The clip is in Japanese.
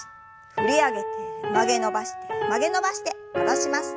振り上げて曲げ伸ばして曲げ伸ばして戻します。